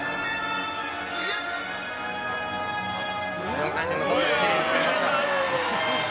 ４回転トウループきれいに決まりました。